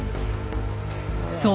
そう。